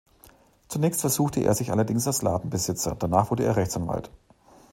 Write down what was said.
Zunächst versuchte er sich allerdings als Ladenbesitzer; danach wurde er Rechtsanwalt.